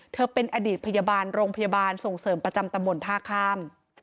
เธอเป็นอดีตพยาบาลโรงพยาบาลส่งเสริมประจำตำบลท่าข้าม